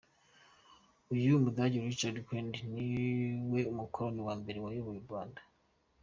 Uyu Mudage Richard Kandt ni we mukoloni wa mbere wayoboye u Rwanda.